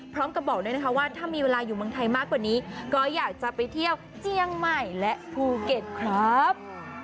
บอกด้วยนะคะว่าถ้ามีเวลาอยู่เมืองไทยมากกว่านี้ก็อยากจะไปเที่ยวเจียงใหม่และภูเก็ตครับ